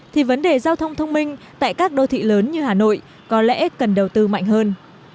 thì vấn đề giao thông thông minh tại các đô thị lớn như hà nội có lẽ cần đầu tư mạnh hơn